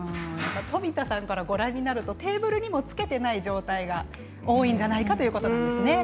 冨田さんからご覧になるとテーブルにもつけていない状況が多いのではないかということですね。